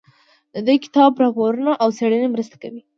د دې کتاب راپورونه او څېړنې مرسته کوي.